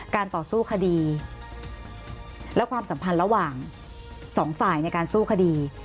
ต่อสู้คดีและความสัมพันธ์ระหว่างสองฝ่ายในการสู้คดี